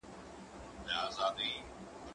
که وخت وي، ږغ اورم؟